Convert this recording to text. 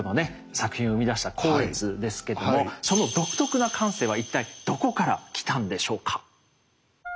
作品を生み出した光悦ですけどもその独特な感性は一体どこから来たんでしょうか。